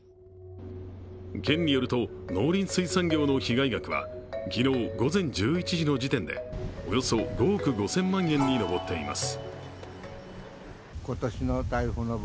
県によると農林水産業の被害額は昨日午前１１時の時点で、およそ５億５０００万円に上っています